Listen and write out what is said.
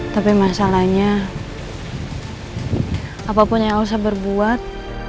tapi masalahnya apapun elsa berbuat